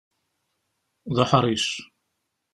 D uḥṛic.